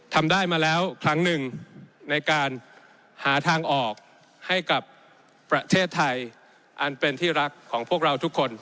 ทำได้มาแล้วครั้งหนึ่งในการหาทางออกให้กับประเทศไทยอันเป็นที่รักของพวกเราทุกคน